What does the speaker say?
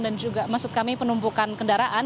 dan juga maksud kami penumpukan kendaraan